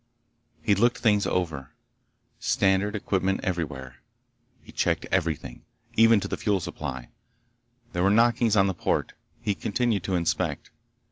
He looked things over. Standard equipment everywhere. He checked everything, even to the fuel supply. There were knockings on the port. He continued to inspect.